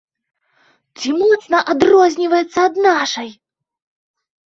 Ці моцна адрозніваецца ад нашай?